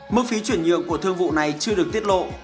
mức phí chuyển nhượng của thương vụ này chưa được tiết lộ